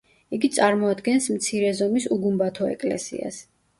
იგი წარმოადგენს მცირე ზომის უგუმბათო ეკლესიას.